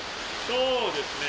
そうですね。